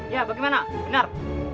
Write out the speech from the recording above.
ya bagaimana benar